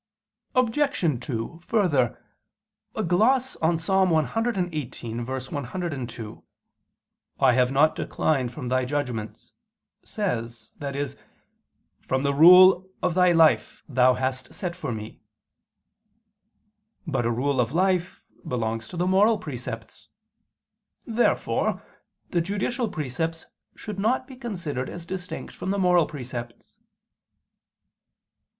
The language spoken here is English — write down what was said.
Obj. 2: Further, a gloss on Ps. 118:102, "I have not declined from Thy judgments," says, i.e. "from the rule of life Thou hast set for me." But a rule of life belongs to the moral precepts. Therefore the judicial precepts should not be considered as distinct from the moral precepts.